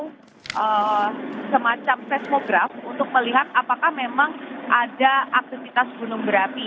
jadi kita akan melihat semacam seismograf untuk melihat apakah memang ada aktivitas gunung berapi